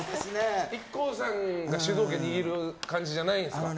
ＩＫＫＯさんが主導権を握る感じじゃないんですか。